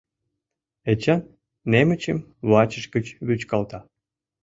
Эчан немычым вачыж гыч вӱчкалта: